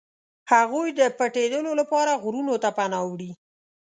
هغوی د پټېدلو لپاره غرونو ته پناه وړي.